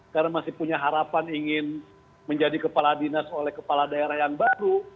karena masih punya harapan ingin menjadi kepala dinas oleh kepala daerah yang baru